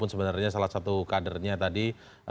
sebenarnya salah satu kadernya tadi